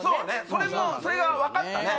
それもそれが分かったね